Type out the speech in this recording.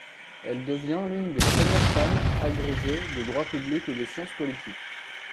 Elle devient l'une des premières femmes agrégées de droit public et de science politique.